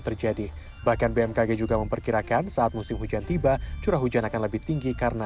terjadi bahkan bmkg juga memperkirakan saat musim hujan tiba curah hujan akan lebih tinggi karena